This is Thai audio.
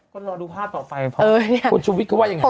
ก็รอดูภาพต่อไปเพราะคุณชุวิตเขาว่ายังไง